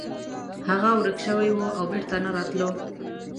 هغه ورک شوی و او بیرته نه راتلو.